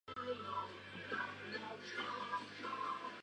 Puedo tomar un enfoque diferente, un enfoque más simple en la siguiente.